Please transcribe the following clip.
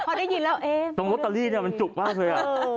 พอได้ยินแล้วเอตรงเนี้ยมันจุกมากเลยอ่ะเออ